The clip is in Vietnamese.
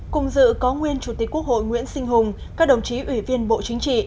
cùng dự có nguyên chủ tịch quốc hội nguyễn sinh hùng các đồng chí ủy viên bộ chính trị